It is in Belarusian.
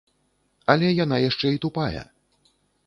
Але яна яшчэ і тупая.